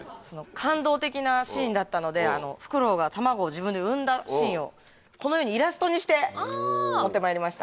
感動的なシーンだったのでフクロウが卵を自分で産んだシーンをこのようにイラストにして持ってまいりました。